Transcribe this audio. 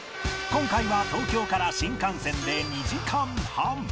今回は東京から新幹線で２時間半